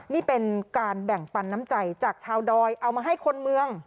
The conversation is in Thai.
นี่เป็นการแบ่งปันน้ำใจจากชาวดอยเอามาให้คนเมือง